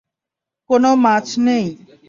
কোন মাছ নেই।